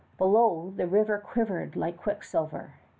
Below, the river quivered like quicksilver.